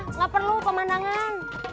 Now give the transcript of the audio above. nggak perlu pemandangan